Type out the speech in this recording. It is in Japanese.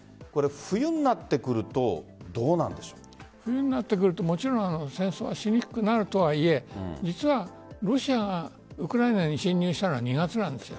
冬になってくると冬になってくると戦争はしにくくなるとはいえ実は、ロシアがウクライナに侵入したのは２月なんです。